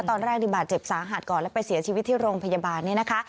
ตอนแรกนี่บาดเจ็บสาหัสก่อนแล้วไปเสียชีวิตที่โรงพยาบาลเนี่ยนะคะ